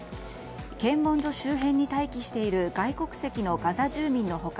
検問所周辺に待機している外国籍のガザ住民の他